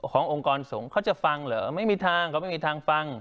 องค์กรสงฆ์เขาจะฟังเหรอไม่มีทางเขาไม่มีทางฟัง